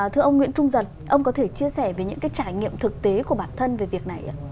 thưa ông nguyễn trung giật ông có thể chia sẻ về những cái trải nghiệm thực tế của bản thân về việc này ạ